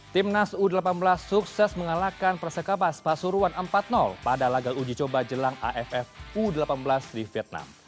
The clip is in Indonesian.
timnas u delapan belas sukses mengalahkan persekapas pasuruan empat pada laga uji coba jelang aff u delapan belas di vietnam